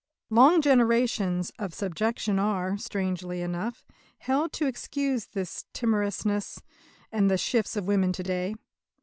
"Long generations" of subjection are, strangely enough, held to excuse the timorousness and the shifts of women to day.